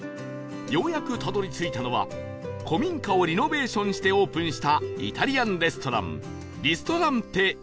ようやくたどり着いたのは古民家をリノベーションしてオープンしたイタリアンレストラン